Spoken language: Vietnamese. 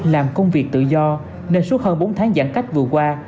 làm công việc tự do nên suốt hơn bốn tháng giãn cách vừa qua